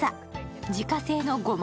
自家製のごま